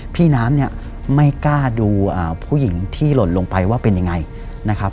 พี่น้ำเนี่ยไม่กล้าดูผู้หญิงที่หล่นลงไปว่าเป็นยังไงนะครับ